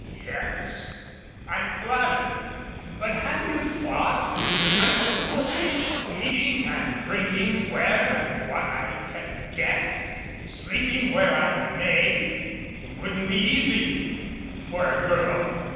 "Yes I'm flat tered but have you thought? I'm afoot eating and drinking where and what I can get, sleeping where I may. It wouldn't be easy for a girl."